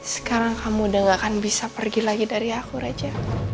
sekarang kamu udah gak akan bisa pergi lagi dari aku raja